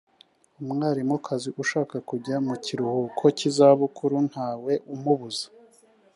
umwarimukazi ushaka kujya mu kiruhuko cy’izabukuru ntawe umubuza